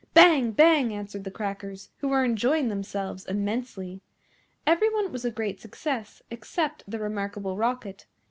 Bang! Bang! answered the Crackers, who were enjoying themselves immensely. Every one was a great success except the Remarkable Rocket.